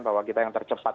bahwa kita yang tercepat